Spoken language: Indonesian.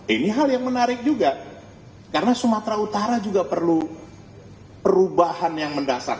ini hal yang menarik juga karena sumatera utara juga perlu perubahan yang mendasar